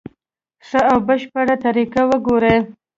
ښه او بشپړه طریقه وګوري.